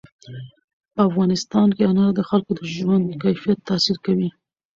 په افغانستان کې انار د خلکو د ژوند کیفیت تاثیر کوي.